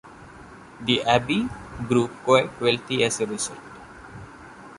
The abbey grew quite wealthy as a result.